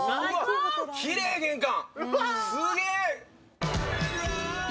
きれー、玄関！